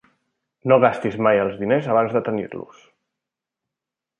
No gastis mai els diners abans de tenir-los.